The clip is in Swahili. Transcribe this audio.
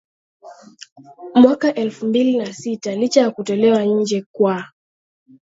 Mwaka elfu mbili na sita licha ya kutolewa nje kwa